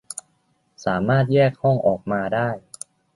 สามารถแยกห้องออกมาได้